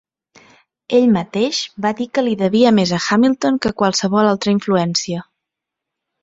Ell mateix va dir que li devia més a Hamilton que a qualsevol altra influència.